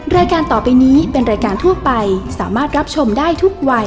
รายการต่อไปนี้เป็นรายการทั่วไปสามารถรับชมได้ทุกวัย